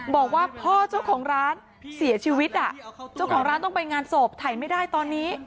บอกว่าพ่อเจ้าของร้านเสียชีวิตอ่ะเจ้าของร้านต้องไปงานศพถ่ายไม่ได้ตอนนี้